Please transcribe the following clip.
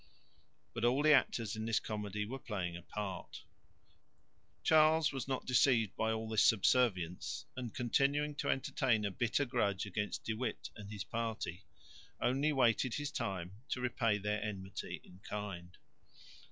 But all the actors in this comedy were playing a part. Charles was not deceived by all this subservience, and, continuing to entertain a bitter grudge against De Witt and his party, only waited his time to repay their enmity in kind.